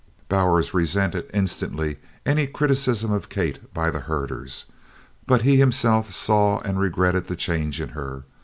Bowers resented instantly any criticism of Kate by her herders. But he himself saw and regretted the change in her.